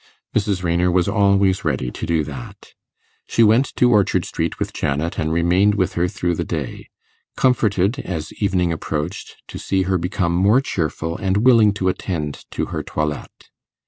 Mrs. Raynor was always ready to do that. She went to Orchard Street with Janet, and remained with her through the day comforted, as evening approached, to see her become more cheerful and willing to attend to her toilette.